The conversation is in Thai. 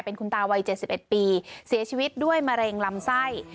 คุณตาวัย๗๑ปีเสียชีวิตด้วยมะเร็งลำไส้